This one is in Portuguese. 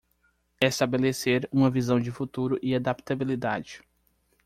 Estabelecer uma visão de futuro e adaptabilidade